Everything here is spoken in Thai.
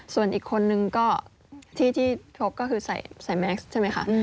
ส่วนอีกคนนึงก็ที่ชกก็คือใส่แม็กซ์ใช่ไหมคะ